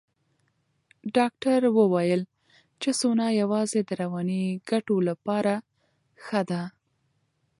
ډاکټره وویل چې سونا یوازې د رواني ګټو لپاره ښه ده.